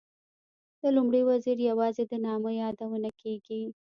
د لومړي وزیر یوازې د نامه یادونه کېږي.